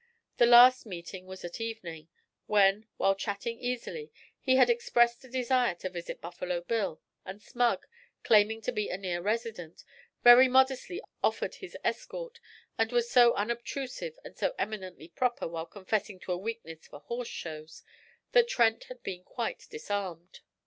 The last meeting was at evening, when, while chatting easily, he had expressed a desire to visit Buffalo Bill, and Smug, claiming to be a near resident, very modestly offered his escort, and was so unobtrusive and so eminently proper while confessing to a weakness for 'horse shows,' that Trent had been quite disarmed.